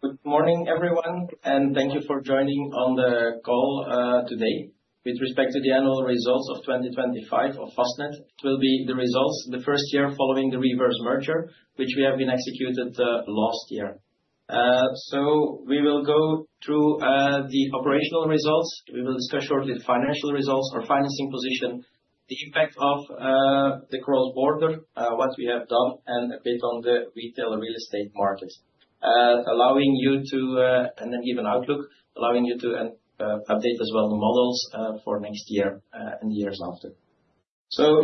Good morning, everyone, and thank you for joining on the call today with respect to the annual results of 2025 of Vastned. It will be the results the first year following the reverse merger, which we have executed last year. We will go through the operational results. We will discuss shortly the financial results, our financing position, the impact of the cross-border, what we have done, and a bit on the retail and real estate markets, and then give an outlook allowing you to update as well the models for next year and the years after.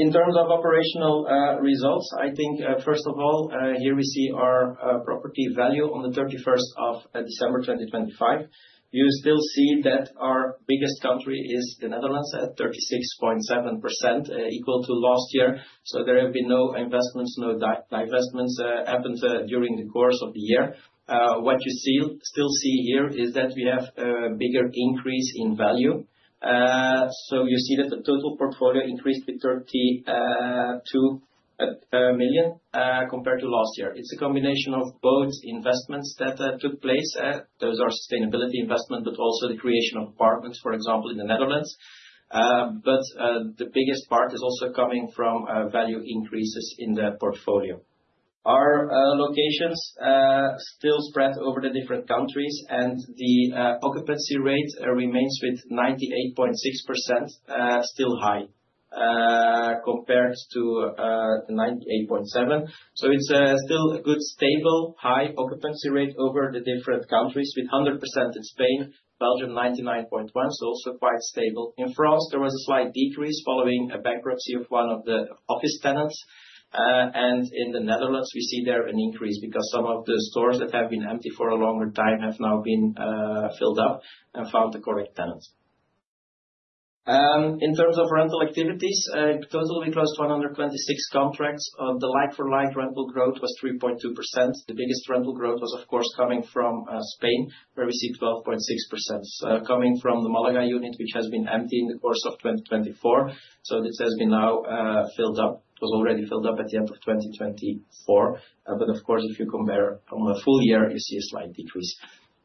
In terms of operational results, I think first of all, here we see our property value on the 31st of December 2025. You still see that our biggest country is the Netherlands at 36.7%, equal to last year. There have been no investments, no divestments happened during the course of the year. What you still see here is that we have a bigger increase in value. You see that the total portfolio increased with 32 million compared to last year. It's a combination of both investments that took place. Those are sustainability investment, but also the creation of apartments, for example, in the Netherlands. The biggest part is also coming from value increases in the portfolio. Our locations still spread over the different countries, and the occupancy rate remains with 98.6%, still high compared to the 98.7%. It's still a good, stable, high occupancy rate over the different countries with 100% in Spain. Belgium 99.1%, also quite stable. In France, there was a slight decrease following a bankruptcy of one of the office tenants. In the Netherlands, we see there an increase because some of the stores that have been empty for a longer time have now been filled up and found the correct tenants. In terms of rental activities, total we closed 126 contracts. The like-for-like rental growth was 3.2%. The biggest rental growth was, of course, coming from Spain, where we see 12.6% coming from the Málaga unit, which has been empty in the course of 2024. This has been now filled up. It was already filled up at the end of 2024. Of course, if you compare on a full year, you see a slight decrease.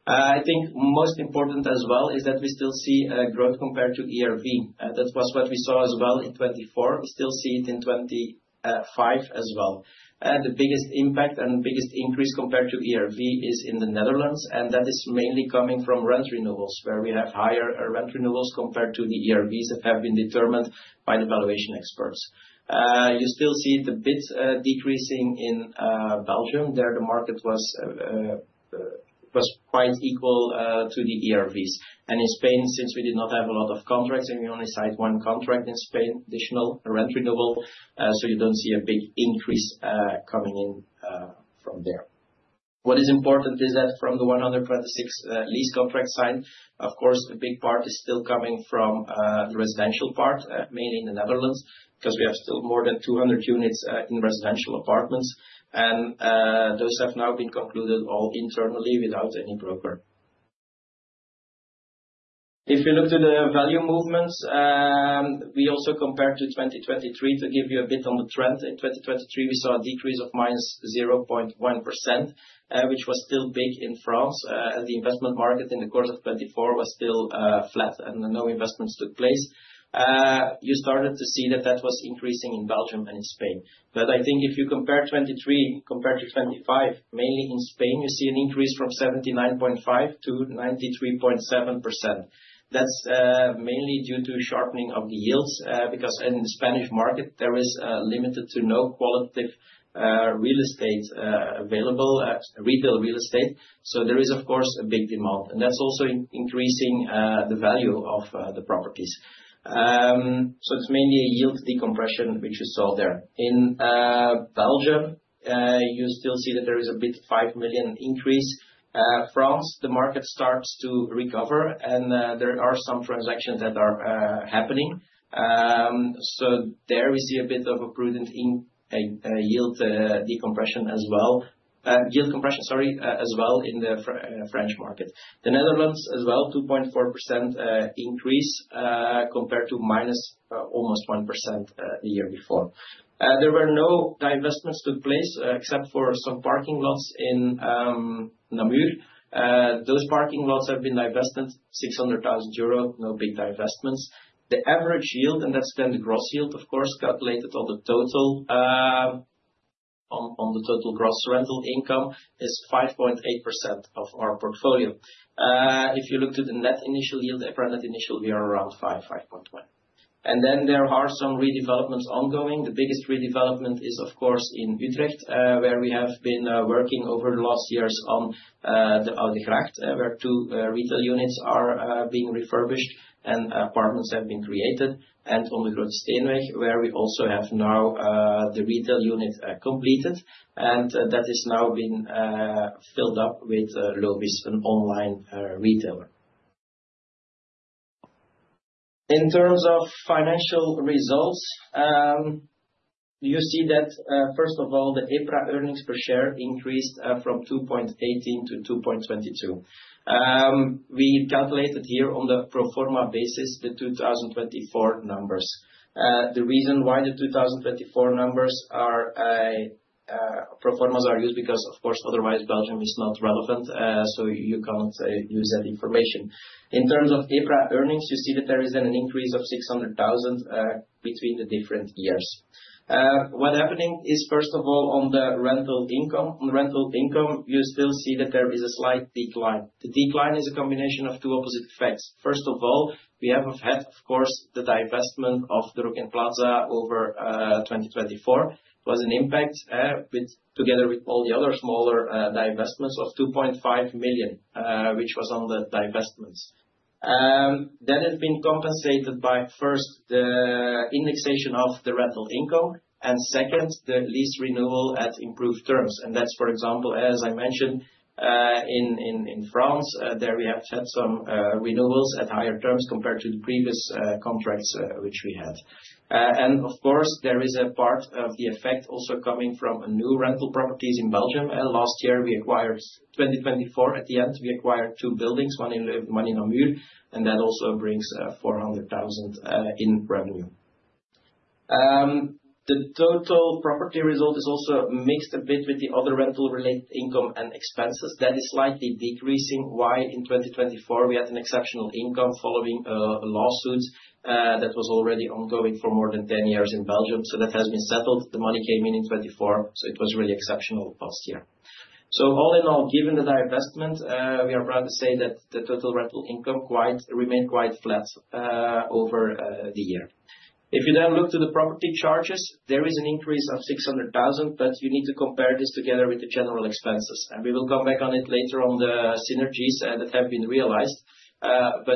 I think most important as well is that we still see a growth compared to ERV. That was what we saw as well in 2024. We still see it in 2025 as well. The biggest impact and biggest increase compared to ERV is in the Netherlands, and that is mainly coming from rent renewals, where we have higher rent renewals compared to the ERVs that have been determined by the valuation experts. You still see the bids decreasing in Belgium. There the market was quite equal to the ERVs. In Spain, since we did not have a lot of contracts, and we only signed one contract in Spain, additional rent renewal, you don't see a big increase coming in from there. What is important is that from the 126 lease contracts signed, of course, a big part is still coming from the residential part, mainly in the Netherlands, because we have still more than 200 units in residential apartments. Those have now been concluded all internally without any broker. If you look to the value movements, we also compared to 2023 to give you a bit on the trend. In 2023, we saw a decrease of minus 0.1%, which was still big in France as the investment market in the course of 2024 was still flat and no investments took place. You started to see that that was increasing in Belgium and in Spain. I think if you compare 2023 compared to 2025, mainly in Spain, you see an increase from 79.5% to 93.7%. That's mainly due to sharpening of the yields, because in the Spanish market, there is limited to no quality retail real estate available. There is, of course, a big demand, and that's also increasing the value of the properties. It's mainly a yield decompression, which you saw there. In Belgium, you still see that there is a bid 5 million increase. France, the market starts to recover, and there are some transactions that are happening. There we see a bit of a prudent yield decompression as well. Yield compression, sorry, as well in the French market. The Netherlands as well, 2.4% increase compared to minus almost 1% the year before. There were no divestments took place except for some parking lots in Namur. Those parking lots have been divested 600,000 euro, no big divestments. The average yield, and that's then the gross yield, of course, calculated on the total gross rental income, is 5.8% of our portfolio. If you look to the net initial yield, net initial, we are around 5%, 5.1%. There are some redevelopments ongoing. The biggest redevelopment is, of course, in Utrecht, where we have been working over the last years on the Oude Gracht, where two retail units are being refurbished and apartments have been created, and on the Grote Steenweg, where we also have now the retail unit completed, and that is now being filled up with LOAVIES, an online retailer. In terms of financial results, you see that first of all, the EPRA earnings per share increased from 2.18 to 2.22. We calculated here on the pro forma basis the 2024 numbers. The reason why the 2024 numbers pro formas are used because, of course, otherwise Belgium is not relevant, you can't use that information. In terms of EPRA earnings, you see that there is an increase of 600,000 between the different years. What is happening is first of all, on the rental income, you still see that there is a slight decline. The decline is a combination of two opposite effects. First of all, we have had, of course, the divestment of the Rokin Plaza over 2024. It was an impact together with all the other smaller divestments of 2.5 million, which was on the divestments. It's been compensated by first, the indexation of the rental income, and second, the lease renewal at improved terms. That's, for example, as I mentioned, in France, there we have had some renewals at higher terms compared to the previous contracts which we had. Of course, there is a part of the effect also coming from new rental properties in Belgium. Last year we acquired, 2024 at the end, we acquired two buildings, one in Namur, and that also brings 400,000 in revenue. The total property result is also mixed a bit with the other rental related income and expenses. That is slightly decreasing. Why? In 2024 we had an exceptional income following a lawsuit that was already ongoing for more than 10 years in Belgium. That has been settled. The money came in in 2024, it was really exceptional last year. All in all, given the divestment, we are proud to say that the total rental income remained quite flat over the year. If you look to the property charges, there is an increase of 600,000, but you need to compare this together with the general expenses, we will come back on it later on the synergies that have been realized.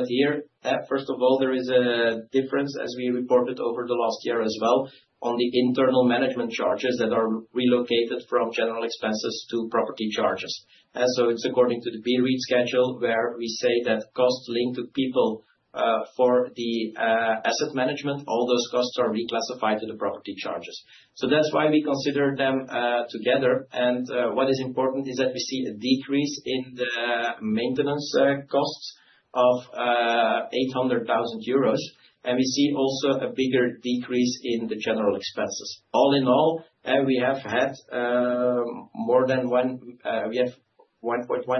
Here, first of all, there is a difference, as we reported over the last year as well on the internal management charges that are relocated from general expenses to property charges. It's according to the BE-REIT schedule where we say that costs linked to people, for the asset management, all those costs are reclassified to the property charges. That's why we consider them together. What is important is that we see a decrease in the maintenance costs of 800,000 euros, we see also a bigger decrease in the general expenses. All in all, we have 1.1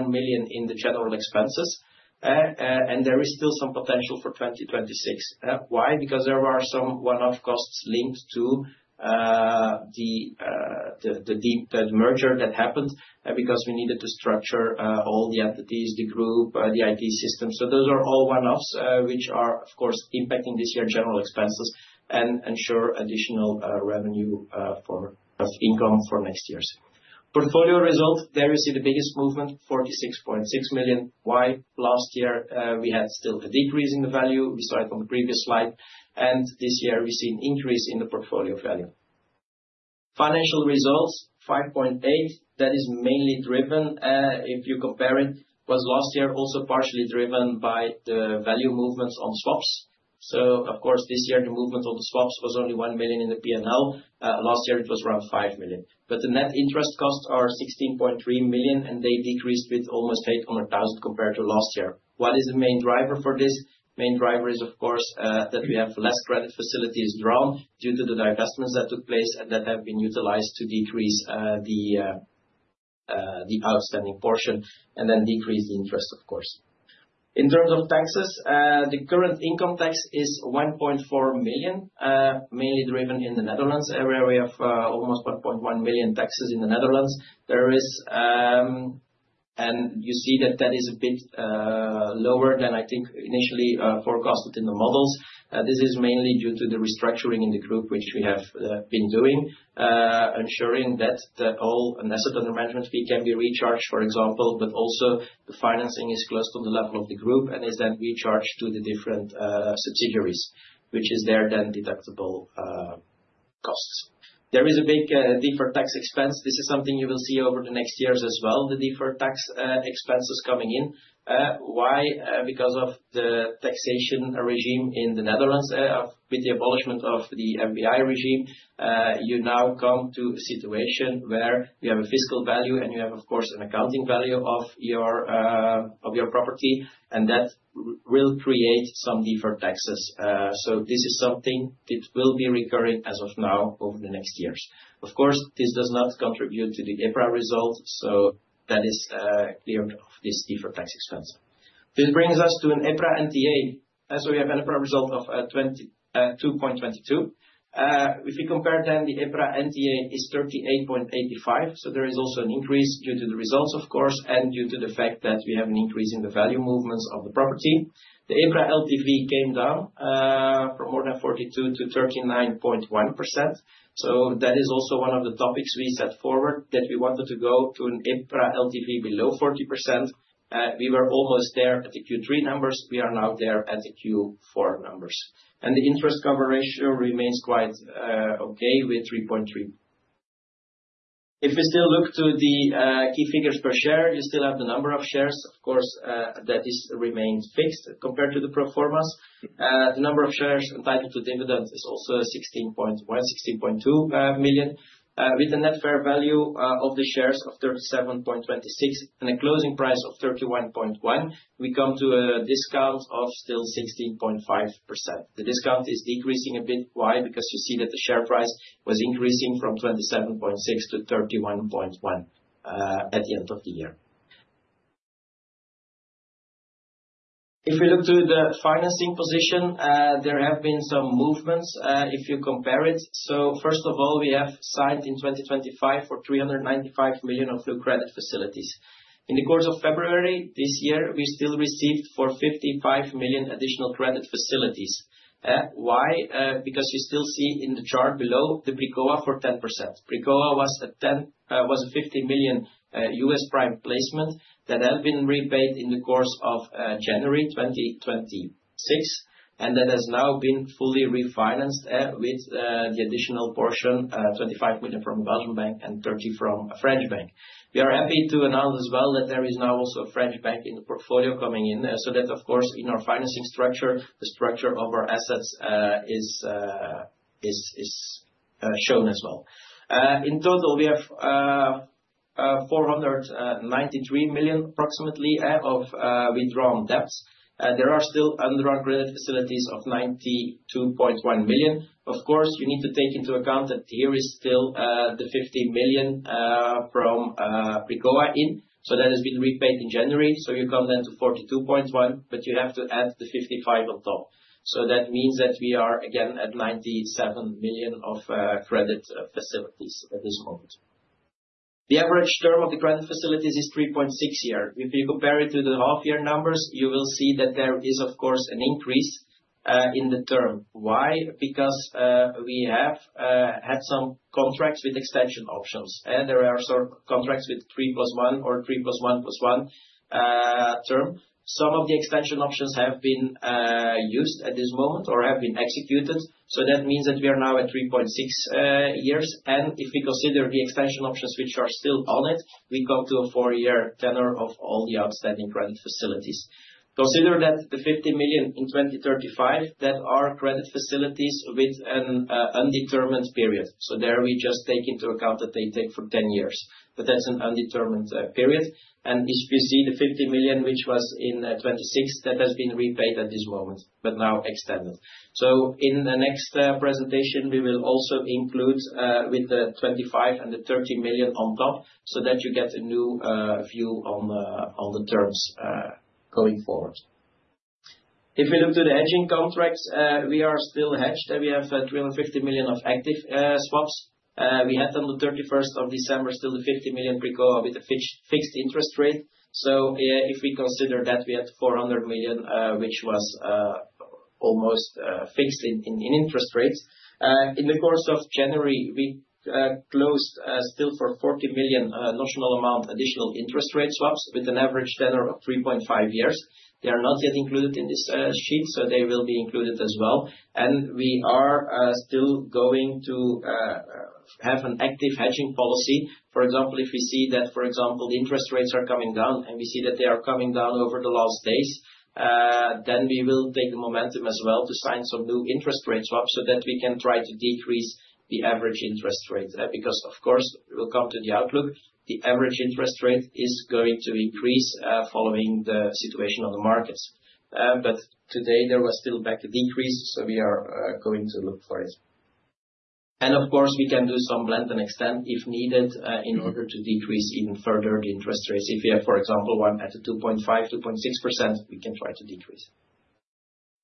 million in the general expenses. There is still some potential for 2026. Why? There are some one-off costs linked to the merger that happened, because we needed to structure all the entities, the group, the IT systems. Those are all one-offs, which are of course impacting this year's general expenses and ensure additional revenue of income for next year. Portfolio result, there you see the biggest movement, 46.6 million. Why? Last year we had still a decrease in the value we saw it on the previous slide. This year we see an increase in the portfolio value. Financial results 5.8 million. That is mainly driven, if you compare it, was last year also partially driven by the value movements on swaps. This year the movement on the swaps was only 1 million in the P&L. Last year it was around 5 million. The net interest costs are 16.3 million, they decreased with almost 800,000 compared to last year. What is the main driver for this? Main driver is of course, that we have less credit facilities drawn due to the divestments that took place that have been utilized to decrease the outstanding portion, decrease the interest of course. In terms of taxes, the current income tax is 1.4 million, mainly driven in the Netherlands, where we have almost 1.1 million taxes in the Netherlands. You see that is a bit lower than I think initially forecasted in the models. This is mainly due to the restructuring in the group, which we have been doing, ensuring that all asset under management fee can be recharged, for example, but also the financing is closed on the level of the group and is then recharged to the different subsidiaries, which is then deductible costs. There is a big deferred tax expense. This is something you will see over the next years as well, the deferred tax expenses coming in. Why? Because of the taxation regime in the Netherlands with the abolishment of the FBI regime, you now come to a situation where you have a fiscal value, and you have, of course, an accounting value of your property, and that will create some deferred taxes. This is something that will be recurring as of now over the next years. Of course, this does not contribute to the EPRA result. That is clear of this deferred tax expense. This brings us to an EPRA NTA. We have an EPRA result of 2.22. If we compare then the EPRA NTA is 38.85. There is also an increase due to the results of course, and due to the fact that we have an increase in the value movements of the property. The EPRA LTV came down from more than 42% to 39.1%. That is also one of the topics we set forward that we wanted to go to an EPRA LTV below 40%. We were almost there at the Q3 numbers. We are now there at the Q4 numbers. The interest coverage ratio remains quite okay with 3.3. If we still look to the key figures per share, you still have the number of shares, of course, that remains fixed compared to the pro formas. The number of shares entitled to dividend is also 16.1, 16.2 million, with a net fair value of the shares of 37.26 and a closing price of 31.1. We come to a discount of still 16.5%. The discount is decreasing a bit. Why? Because you see that the share price was increasing from 27.6 to 31.1 at the end of the year. If we look to the financing position, there have been some movements, if you compare it. First of all, we have signed in 2025 for 395 million of new credit facilities. In the course of February this year, we still received for 55 million additional credit facilities. Why? Because you still see in the chart below the Pricoa for 10%. Pricoa was a $50 million US prime placement that has been repaid in the course of January 2026, and that has now been fully refinanced with the additional portion, 25 million from Belfius Bank and 30 from a French bank. We are happy to announce as well that there is now also a French bank in the portfolio coming in. That of course in our financing structure, the structure of our assets is shown as well. In total, we have 493 million approximately of withdrawn debts. There are still undrawn credit facilities of 92.1 million. Of course, you need to take into account that here is still the $50 million from Pricoa in. That has been repaid in January. You come then to 42.1, but you have to add the 55 on top. That means that we are again at 97 million of credit facilities at this moment. The average term of the credit facilities is 3.6 year. If you compare it to the half year numbers, you will see that there is of course an increase in the term. Why? We have had some contracts with extension options, and there are some contracts with three plus one or three plus one plus one term. Some of the extension options have been used at this moment or have been executed. That means that we are now at 3.6 years, and if we consider the extension options which are still on it, we come to a four-year tenor of all the outstanding credit facilities. Consider that the 50 million in 2035, that are credit facilities with an undetermined period. There we just take into account that they take for 10 years, but that's an undetermined period. And if you see the 50 million which was in 2026, that has been repaid at this moment, but now extended. In the next presentation, we will also include with the 25 million and the 30 million on top so that you get a new view on the terms going forward. If we look to the hedging contracts, we are still hedged, and we have 350 million of active swaps. We had on the 31st of December still the $50 million Pricoa with a fixed interest rate. If we consider that we had 400 million, which was almost fixed in interest rates. In the course of January, we closed still for 40 million notional amount additional interest rate swaps with an average tenor of 3.5 years. They are not yet included in this sheet, so they will be included as well, and we are still going to have an active hedging policy. For example, if we see that, for example, interest rates are coming down, and we see that they are coming down over the last days, then we will take the momentum as well to sign some new interest rate swaps so that we can try to decrease the average interest rate. Because of course, we'll come to the outlook, the average interest rate is going to increase following the situation on the markets. Today there was still back a decrease, so we are going to look for it. And of course, we can do some blend and extend if needed in order to decrease even further the interest rates. If we have, for example, one at a 2.5%, 2.6%, we can try to decrease.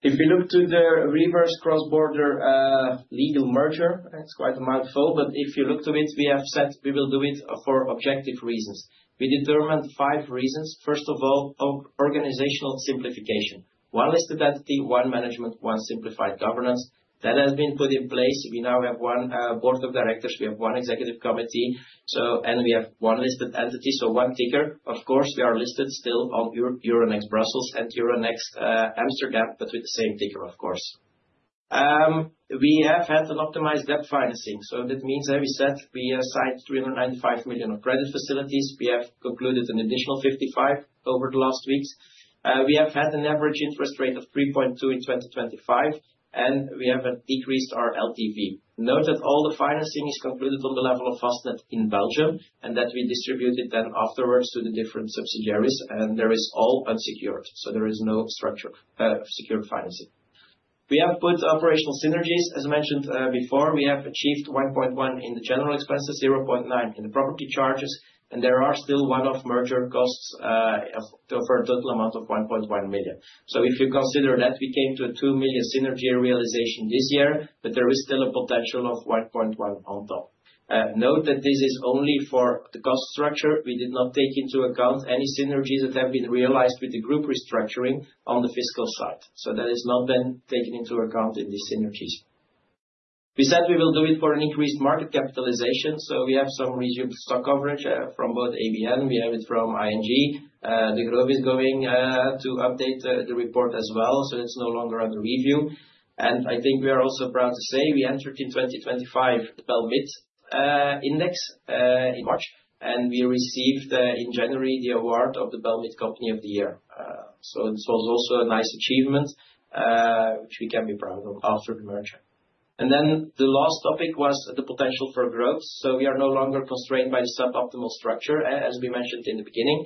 If we look to the reverse cross-border legal merger, it's quite a mouthful, but if you look to it, we have said we will do it for objective reasons. We determined five reasons. First of all, organizational simplification. One listed entity, one management, one simplified governance. That has been put in place. We now have one board of directors, we have one executive committee, and we have one listed entity, so one ticker. Of course, we are listed still on Euronext Brussels and Euronext Amsterdam, but with the same ticker, of course. We have had an optimized debt financing. That means that we said we signed 395 million of credit facilities. We have concluded an additional 55 million over the last weeks. We have had an average interest rate of 3.2% in 2025, and we have decreased our LTV. Note that all the financing is concluded on the level of Vastned in Belgium, and that we distribute it then afterwards to the different subsidiaries, and there is all unsecured. There is no secured financing. We have good operational synergies. As mentioned before, we have achieved 1.1 in the general expenses, 0.9 in the property charges, and there are still one-off merger costs for a total amount of 1.1 million. If you consider that, we came to a 2 million synergy realization this year, but there is still a potential of 1.1 on top. Note that this is only for the cost structure. We did not take into account any synergies that have been realized with the group restructuring on the fiscal side. That has not been taken into account in these synergies. We said we will do it for an increased market capitalization. We have some resumed stock coverage from both ABN, we have it from ING. Degroof is going to update the report as well, so it is no longer under review. I think we are also proud to say we entered in 2025, the BEL Mid index, in March. We received in January the award of the BEL MID Company of the Year. This was also a nice achievement, which we can be proud of after the merger. The last topic was the potential for growth. We are no longer constrained by the suboptimal structure, as we mentioned in the beginning.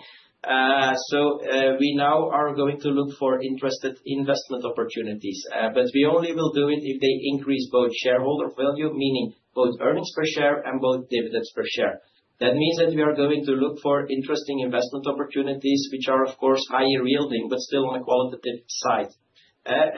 We now are going to look for interesting investment opportunities, but we only will do it if they increase both shareholder value, meaning both earnings per share and both dividends per share. That means that we are going to look for interesting investment opportunities, which are, of course, high yielding, but still on a qualitative side.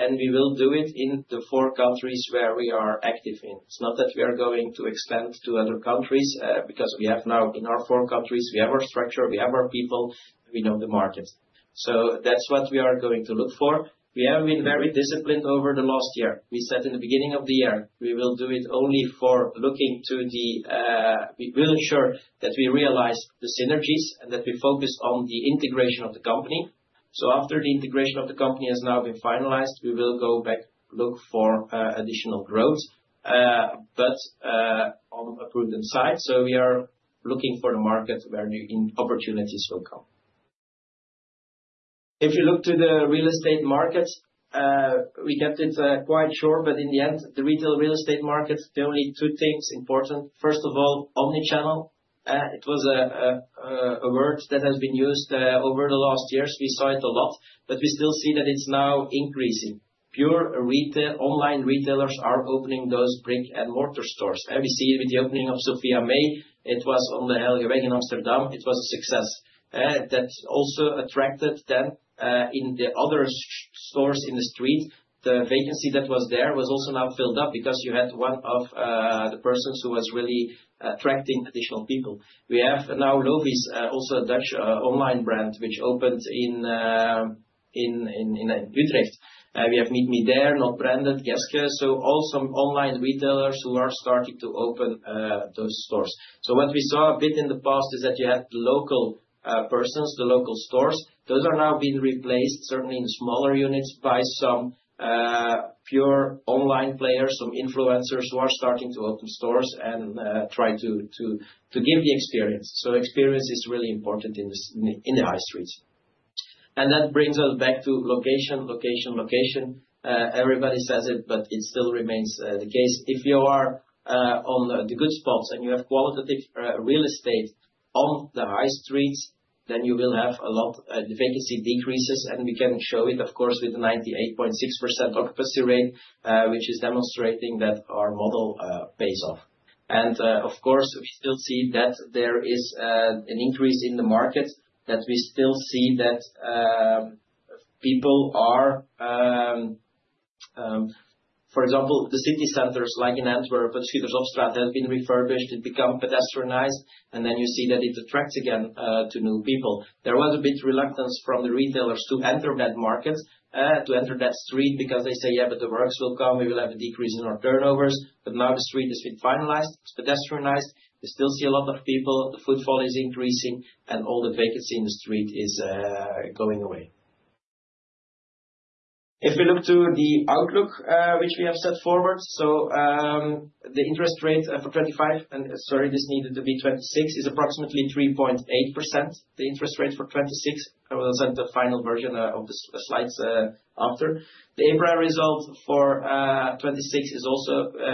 We will do it in the four countries where we are active in. It is not that we are going to expand to other countries, because we have now in our four countries, we have our structure, we have our people, and we know the markets. That's what we are going to look for. We have been very disciplined over the last year. We said in the beginning of the year, we will ensure that we realize the synergies and that we focus on the integration of the company. After the integration of the company has now been finalized, we will go back, look for additional growth, but on a prudent side. We are looking for the markets where new opportunities will come. If you look to the real estate markets, we kept it quite short, but in the end, the retail real estate markets, there are only two things important. First of all, omnichannel. It was a word that has been used over the last years. We saw it a lot. We still see that it is now increasing. Pure online retailers are opening those brick-and-mortar stores. We see it with the opening of SOPHIA MAE. It was on the Heiligeweg in Amsterdam. It was a success. That also attracted then, in the other stores in the street, the vacancy that was there was also now filled up because you had one of the persons who was really attracting additional people. We have now LOAVIES, also a Dutch online brand, which opened in Utrecht. We have Meet Me There, No Label, GESKE. All some online retailers who are starting to open those stores. What we saw a bit in the past is that you had the local persons, the local stores. Those are now being replaced, certainly in smaller units, by some pure online players, some influencers who are starting to open stores and try to give the experience. Experience is really important in the high streets. That brings us back to location, location. Everybody says it, but it still remains the case. If you are on the good spots and you have qualitative real estate on the high streets, then you will have a lot, the vacancy decreases, and we can show it, of course, with the 98.6% occupancy rate, which is demonstrating that our model pays off. Of course, we still see that there is an increase in the market, that we still see that people are For example, the city centers, like in Antwerp, the Nationalestraat has been refurbished. It become pedestrianized, and then you see that it attracts again, to new people. There was a bit reluctance from the retailers to enter that market, to enter that street because they say, "Yeah, but the works will come. We will have a decrease in our turnovers." Now the street has been finalized. It's pedestrianized. We still see a lot of people, the footfall is increasing, and all the vacancy in the street is going away. If we look to the outlook, which we have set forward. The interest rate for 2025, and sorry, this needed to be 2026, is approximately 3.8%. The interest rate for 2026, I will send the final version of the slides after. The EPRA result for 2026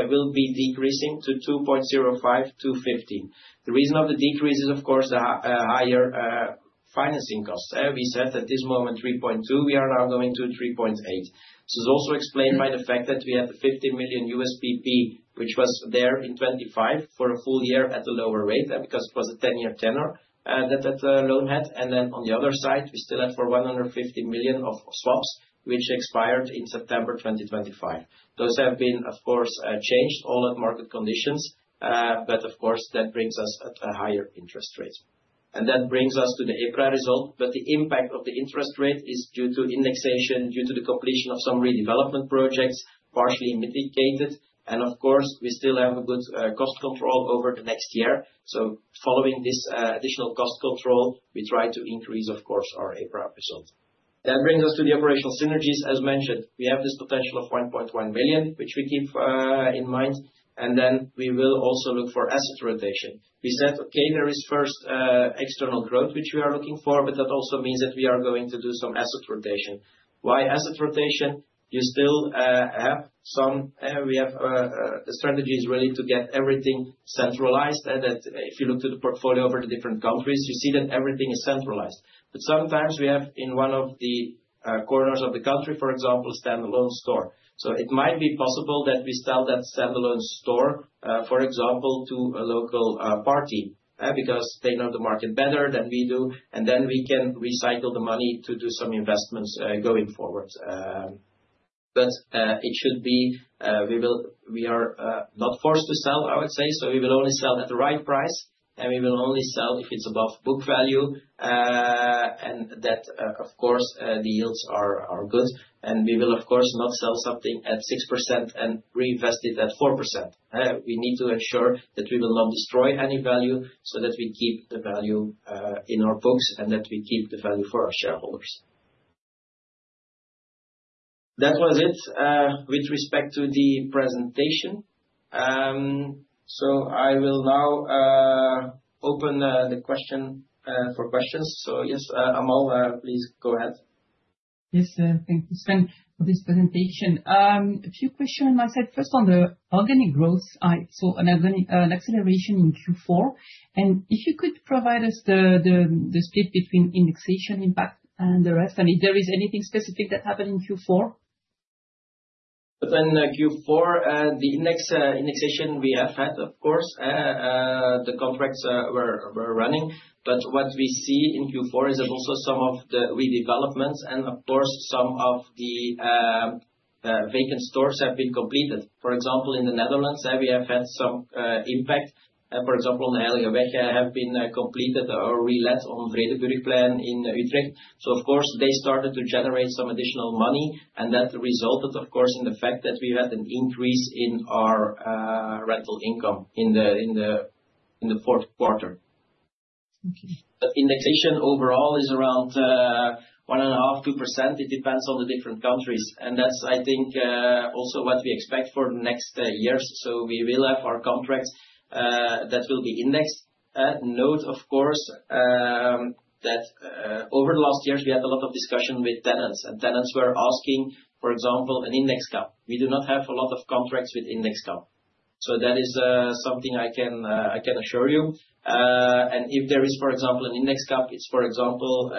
will be decreasing to 2.05 to 2.15. The reason of the decrease is, of course, higher financing costs. We said at this moment 3.2%, we are now going to 3.8%. This is also explained by the fact that we have the $50 million USPP, which was there in 2025 for a full year at a lower rate because it was a 10-year tenor that loan had. On the other side, we still have for $150 million of swaps, which expired in September 2025. Those have been, of course, changed all at market conditions. Of course, that brings us at a higher interest rate. That brings us to the EPRA result. The impact of the interest rate is due to indexation, due to the completion of some redevelopment projects, partially mitigated. Of course, we still have a good cost control over the next year. Following this additional cost control, we try to increase, of course, our EPRA result. That brings us to the operational synergies. As mentioned, we have this potential of 1.1 million, which we keep in mind. We will also look for asset rotation. We said, okay, there is first external growth, which we are looking for, but that also means that we are going to do some asset rotation. Why asset rotation? The strategy is really to get everything centralized, and that if you look to the portfolio over the different countries, you see that everything is centralized. We have in one of the corners of the country, for example, a standalone store. It might be possible that we sell that standalone store for example, to a local party, because they know the market better than we do, then we can recycle the money to do some investments going forward. We are not forced to sell, I would say. We will only sell at the right price, and we will only sell if it's above book value, and that, of course, the yields are good. We will, of course, not sell something at 6% and reinvest it at 4%. We need to ensure that we will not destroy any value so that we keep the value in our books, and that we keep the value for our shareholders. That was it with respect to the presentation. I will now open for questions. Yes, Amal, please go ahead. Yes, sir. Thank you, Sven, for this presentation. A few questions on my side. First, on the organic growth. I saw an acceleration in Q4. If you could provide us the split between indexation impact and the rest, and if there is anything specific that happened in Q4. Q4, the indexation we have had, of course, the contracts were running. What we see in Q4 is that also some of the redevelopments and of course some of the vacant stores have been completed. For example, in the Netherlands, we have had some impact. For example, redevelopments have been completed or relet on Vredenburgplein in Utrecht. Of course, they started to generate some additional money, that resulted, of course, in the fact that we had an increase in our rental income in the fourth quarter. Okay. Indexation overall is around 1.5%-2%. It depends on the different countries. That's, I think, also what we expect for the next years. We will have our contracts that will be indexed. Note, of course, that over the last years, we had a lot of discussion with tenants, and tenants were asking, for example, an index cap. We do not have a lot of contracts with index cap. That is something I can assure you. If there is, for example, an index cap, it's for example,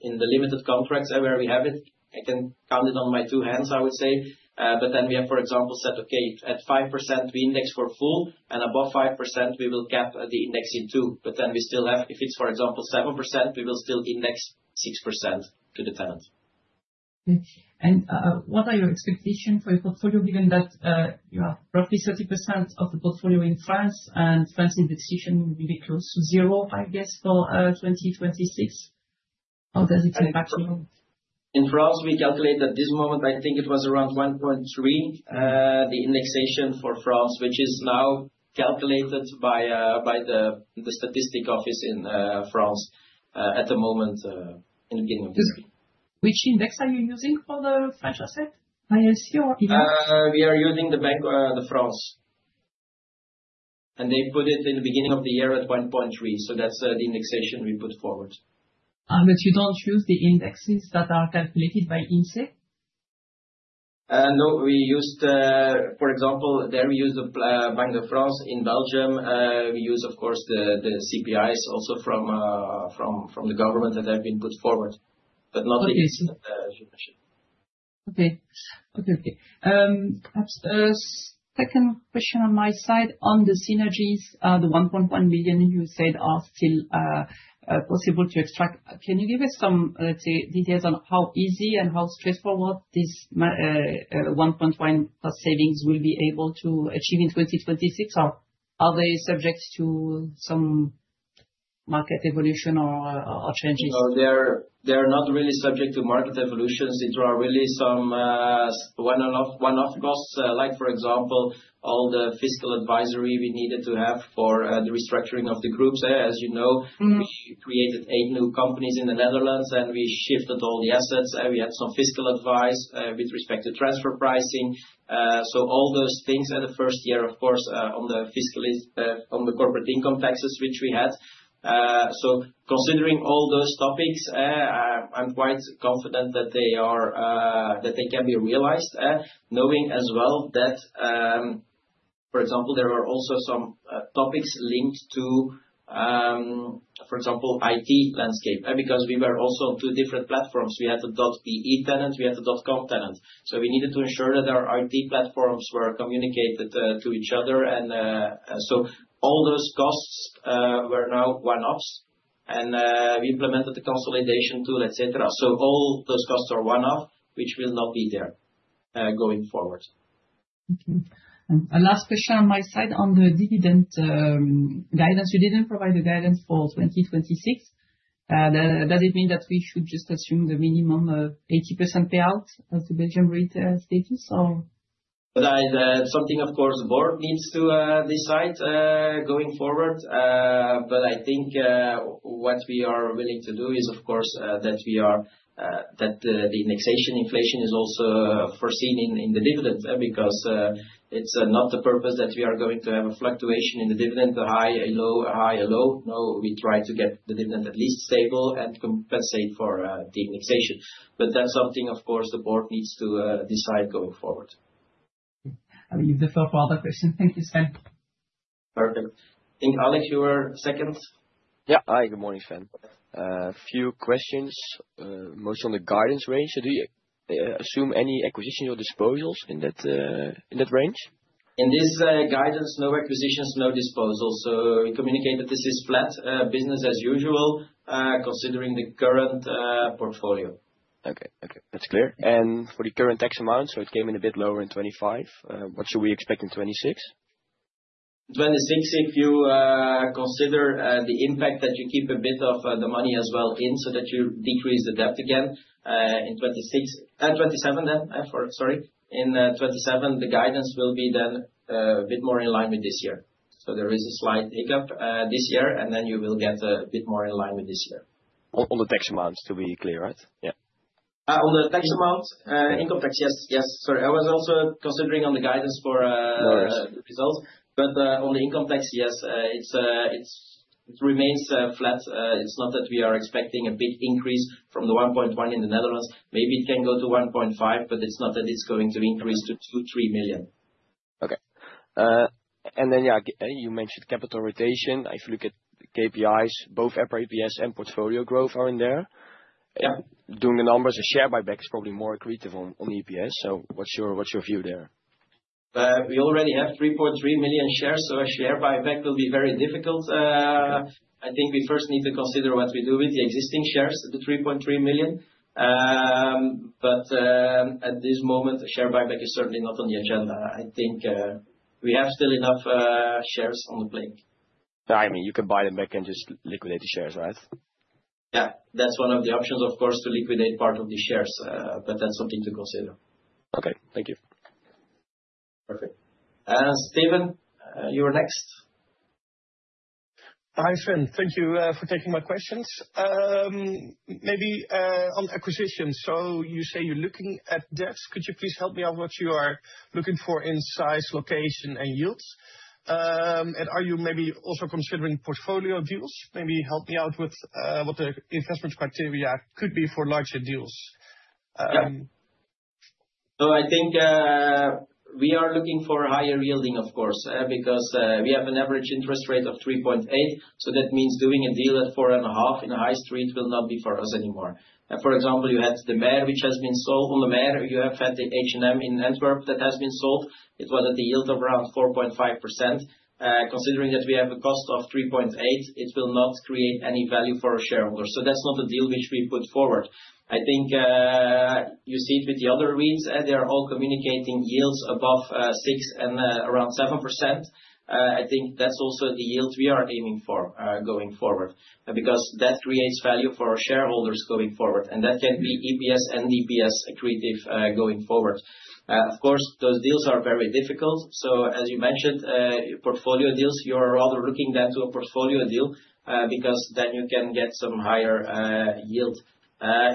in the limited contracts where we have it, I can count it on my two hands, I would say. We have, for example, said, okay, at 5% we index for full and above 5% we will cap the index in two. We still have, if it's for example 7%, we will still index 6% to the tenant. Okay. What are your expectation for your portfolio given that you have roughly 30% of the portfolio in France and France indexation will be close to zero, I guess, for 2026? How does it impact you? In France, we calculate at this moment, I think it was around 1.3%, the indexation for France, which is now calculated by the statistic office in France at the moment in the beginning of this week. Which index are you using for the French asset? ILC or index? We are using the Banque de France. They put it in the beginning of the year at 1.3. That's the indexation we put forward. You don't use the indexes that are calculated by INSEE? No, for example, there we use the Banque de France. In Belgium, we use, of course, the CPIs also from the government that have been put forward, but not the INSEE. Okay. Perhaps a second question on my side on the synergies. The 1.1 million you said are still possible to extract. Can you give us some, let's say, details on how easy and how straightforward this 1.1 cost savings will be able to achieve in 2026? Or are they subject to some market evolution or changes? No. They're not really subject to market evolutions. These are really some one-off costs. Like for example, all the fiscal advisory we needed to have for the restructuring of the groups. As you know. We created eight new companies in the Netherlands and we shifted all the assets, and we had some fiscal advice with respect to transfer pricing. All those things in the first year, of course, on the corporate income taxes, which we had. Considering all those topics, I'm quite confident that they can be realized. Knowing as well that, for example, there are also some topics linked to, for example, IT landscape. Because we were also on two different platforms. We had the .be tenant, we had the .com tenant. We needed to ensure that our IT platforms were communicated to each other, and all those costs were now one-offs, and we implemented the consolidation tool, et cetera. All those costs are one-off, which will not be there going forward. Okay. Last question on my side on the dividend guidance. You didn't provide the guidance for 2026. Does it mean that we should just assume the minimum of 80% payout at the Belgian REIT status? That is something, of course, the board needs to decide going forward. I think what we are willing to do is, of course, that the indexation inflation is also foreseen in the dividend. It's not the purpose that we are going to have a fluctuation in the dividend, a high, a low, a high, a low. No, we try to get the dividend at least stable and compensate for the indexation. That's something, of course, the board needs to decide going forward. I leave the floor for other person. Thank you, Sven. Perfect. I think Alex, you were second. Yeah. Hi, good morning, Sven. A few questions, mostly on the guidance range. Do you assume any acquisition or disposals in that range? In this guidance, no acquisitions, no disposals. We communicate that this is flat business as usual, considering the current portfolio. Okay. That's clear. For the current tax amount, it came in a bit lower in 2025, what should we expect in 2026? 2026, if you consider the impact that you keep a bit of the money as well in, that you decrease the debt again in 2027. In 2027, the guidance will be then a bit more in line with this year. There is a slight hiccup this year, then you will get a bit more in line with this year. On the tax amounts to be clear, right? Yeah. On the tax amounts, income tax, yes. Sorry. I was also considering on the guidance for- No worries results, on the income tax, yes, it remains flat. It's not that we are expecting a big increase from the 1.1 million in the Netherlands. Maybe it can go to 1.5 million, it's not that it's going to increase to 2 million, 3 million. Okay. You mentioned capital rotation. If you look at the KPIs, both EPRA EPS and portfolio growth are in there. Yeah. Doing the numbers, a share buyback is probably more accretive on EPS. What's your view there? We already have 3.3 million shares, a share buyback will be very difficult. I think we first need to consider what we do with the existing shares, the 3.3 million. At this moment, a share buyback is certainly not on the agenda. I think we have still enough shares on the books. I mean, you could buy them back and just liquidate the shares, right? Yeah. That's one of the options, of course, to liquidate part of the shares, that's something to consider. Okay. Thank you. Perfect. Steven, you're next. Hi, Sven. Thank you for taking my questions. Maybe on acquisition. You say you're looking at deals. Could you please help me on what you are looking for in size, location, and yields? Are you maybe also considering portfolio deals? Maybe help me out with what the investment criteria could be for larger deals. I think we are looking for higher yielding, of course, because we have an average interest rate of 3.8%. That means doing a deal at 4.5% in a high street will not be for us anymore. For example, you had the Meir, which has been sold. On the Meir, you have had the H&M in Antwerp that has been sold. It was at a yield of around 4.5%. Considering that we have a cost of 3.8%, it will not create any value for our shareholders. That's not a deal which we put forward. I think, you see it with the other REITs, they are all communicating yields above 6% and around 7%. I think that's also the yield we are aiming for going forward, because that creates value for our shareholders going forward. That can be EPS and DPS accretive going forward. As you mentioned, portfolio deals, you are rather looking then to a portfolio deal, because then you can get some higher yield.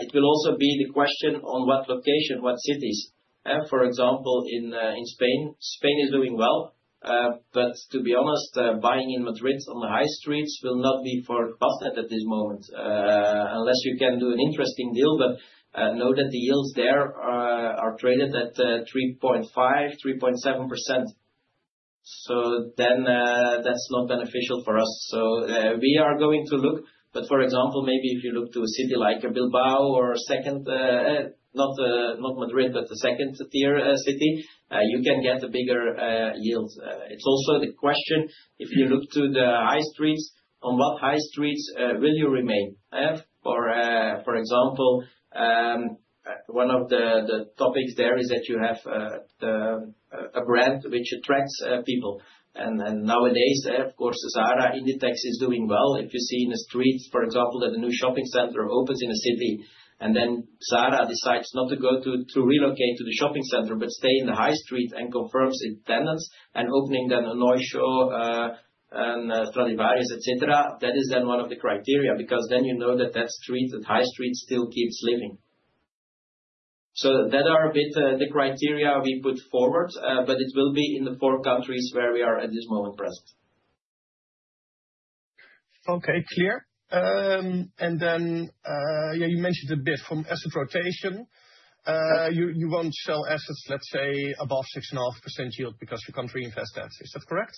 It will also be the question on what location, what cities. For example, in Spain is doing well. To be honest, buying in Madrid on the high streets will not be for Vastned at this moment. Unless you can do an interesting deal, know that the yields there are traded at 3.5%, 3.7%. That's not beneficial for us. We are going to look, but for example, maybe if you look to a city like Bilbao or second-tier city, you can get the bigger yields. It's also the question, if you look to the high streets, on what high streets will you remain? For example, one of the topics there is that you have a brand which attracts people. Nowadays, of course, the Zara Inditex is doing well. If you see in the streets, for example, that a new shopping center opens in a city, and then Zara decides not to relocate to the shopping center but stay in the high street and confirms its tenants and opening then Oysho and Stradivarius, et cetera. That is one of the criteria, because then you know that that high street still keeps living. That are a bit the criteria we put forward, but it will be in the four countries where we are at this moment present. Okay, clear. You mentioned a bit from asset rotation. You won't sell assets, let's say, above 6.5% yield because you can't reinvest that. Is that correct?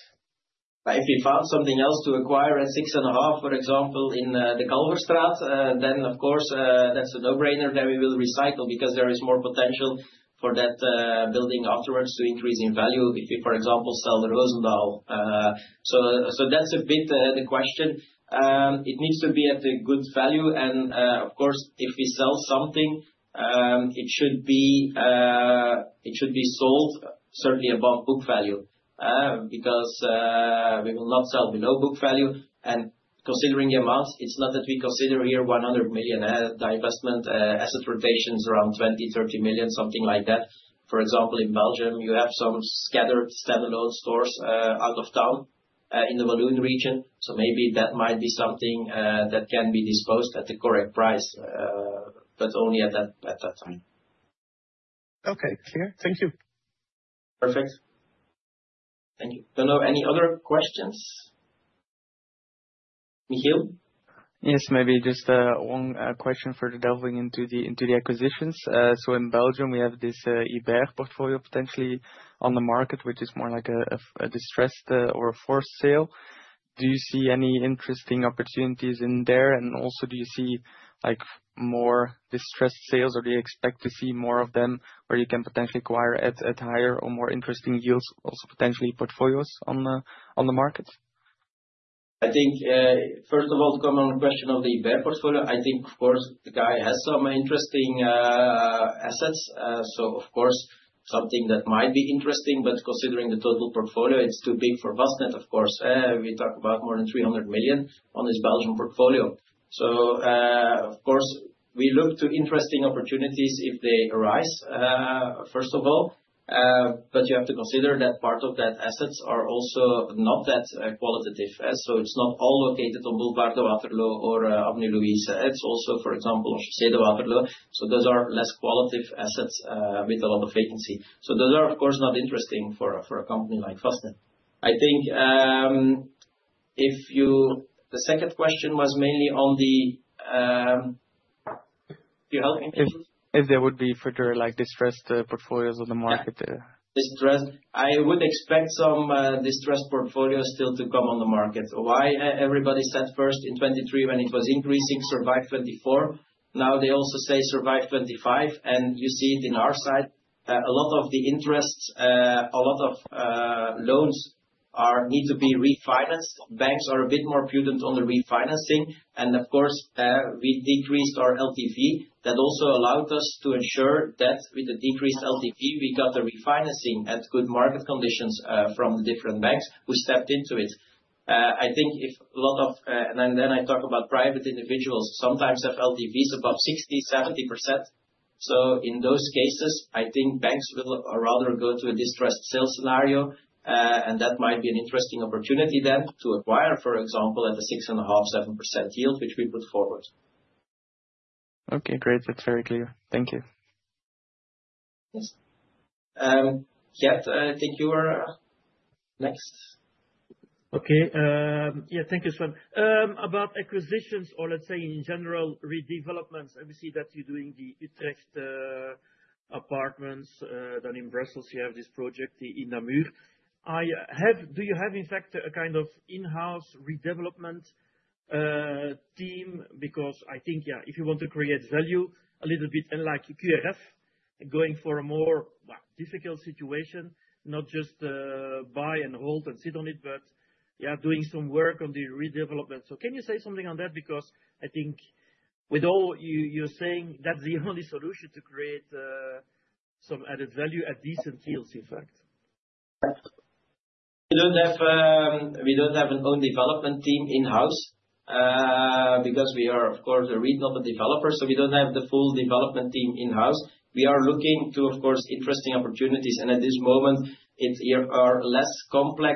If we found something else to acquire at 6.5%, for example, in the Kalverstraat, then of course, that's a no-brainer that we will recycle because there is more potential for that building afterwards to increase in value if we, for example, sell the Rozendaal. That's a bit the question. It needs to be at a good value, of course, if we sell something, it should be sold certainly above book value, because we will not sell below book value. Considering the amount, it's not that we consider here 100 million divestment. Asset rotation is around 20 million, 30 million, something like that. For example, in Belgium, you have some scattered standalone stores out of town in the Walloon region. Maybe that might be something that can be disposed at the correct price, but only at that time. Okay, clear. Thank you. Perfect. Thank you. Don't know, any other questions? Michiel? Yes, maybe just one question for delving into the acquisitions. In Belgium, we have this Iberian portfolio potentially on the market, which is more like a distressed or a forced sale. Do you see any interesting opportunities in there? Also do you see more distressed sales or do you expect to see more of them where you can potentially acquire at higher or more interesting yields, also potentially portfolios on the market? I think, first of all, to come on the question of the Befimmo portfolio, I think, of course, the guy has some interesting assets. Of course, something that might be interesting, but considering the total portfolio, it's too big for Vastned, of course. We talk about more than 300 million on this Belgium portfolio. Of course, we look to interesting opportunities if they arise, first of all. You have to consider that part of that assets are also not that qualitative. It's not all located on Boulevard de Waterloo or Avenue Louise. It's also, for example, Chaussée de Waterloo. Those are less qualitative assets with a lot of vacancy. Those are, of course, not interesting for a company like Vastned. The second question was mainly on the Could you help me please? If there would be further distressed portfolios on the market. Distressed. I would expect some distressed portfolios still to come on the market. Why? Everybody said first in 2023 when it was increasing, survive 2024. Now they also say survive 2025. You see it in our side. A lot of the interests, a lot of loans need to be refinanced. Banks are a bit more prudent on the refinancing, and of course, we decreased our LTV. That also allowed us to ensure that with the decreased LTV, we got the refinancing at good market conditions from different banks who stepped into it. Then I talk about private individuals sometimes have LTVs above 60%, 70%. In those cases, I think banks will rather go to a distressed sale scenario, and that might be an interesting opportunity then to acquire, for example, at a 6.5%, 7% yield, which we put forward. Okay, great. That's very clear. Thank you. Yes. Geert, I think you were next. Okay. Yeah, thank you, Sven. About acquisitions or let's say in general redevelopments, we see that you're doing the Utrecht apartments, then in Brussels you have this project in Namur. Do you have, in fact, a kind of in-house redevelopment team? I think if you want to create value a little bit unlike Qrf, going for a more difficult situation, not just buy and hold and sit on it, but doing some work on the redevelopment. Can you say something on that? I think with all you're saying, that's the only solution to create some added value at decent yields, in fact. We don't have an own development team in-house because we are, of course, a redevelop developer, we don't have the full development team in-house. We are looking to, of course, interesting opportunities, at this moment it are less complex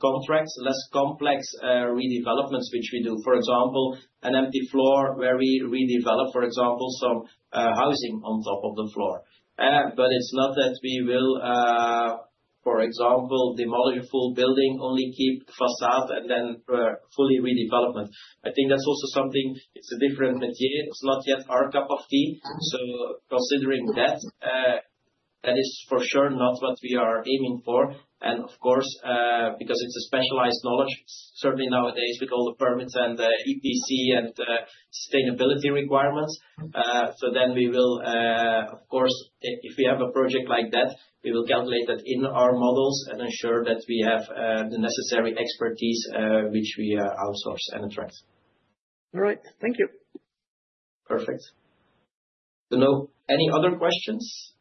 contracts, less complex redevelopments, which we do. For example, an empty floor where we redevelop, for example, some housing on top of the floor. It's not that we will, for example, demolish a full building, only keep facade and then fully redevelop it. I think that's also something, it's a different material. It's not yet our cup of tea. Considering that is for sure not what we are aiming for. Of course, because it's a specialized knowledge, certainly nowadays with all the permits and EPC and sustainability requirements. Of course, if we have a project like that, we will calculate that in our models and ensure that we have the necessary expertise, which we outsource and attract. All right. Thank you. Perfect. Now, any other questions?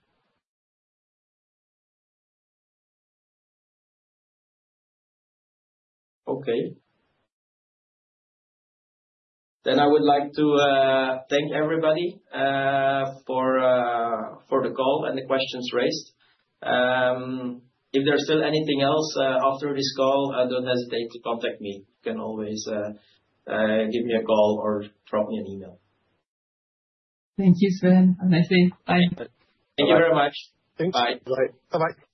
Okay. I would like to thank everybody for the call and the questions raised. If there's still anything else after this call, don't hesitate to contact me. You can always give me a call or drop me an email. Thank you, Sven. I say bye. Thank you very much. Thanks. Bye. Bye. Bye-bye